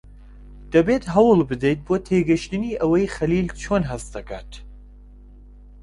دەبێت هەوڵ بدەیت بۆ تێگەیشتنی ئەوەی خەلیل چۆن هەست دەکات.